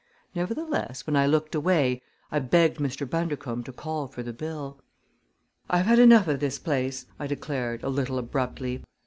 Nevertheless, when I looked away I begged Mr. Bundercombe to call for the bill. "I have had enough of this place!" I declared, a little abruptly.